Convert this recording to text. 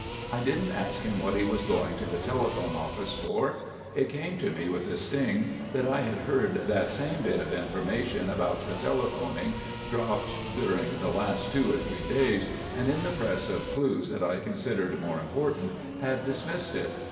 I didn't ask him what he was going to the telephone office for; it came to me with a sting that I had heard that same bit of information about the telephoning dropped during the last two or three days, and, in the press of clues that I considered more important, had dismissed it.